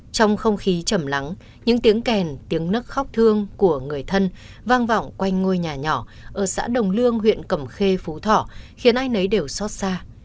trong không khí chầm lắng những tiếng kèn tiếng nức khóc thương của người thân vang vọng quanh ngôi nhà nhỏ ở xã đồng lương huyện cầm khê phú thọ khiến ai nấy đều xót xa